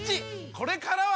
これからは！